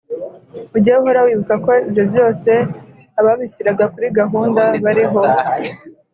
Ujye uhora wibuka ko ibyo byose Ababishyiraga kuri gahunda Bariho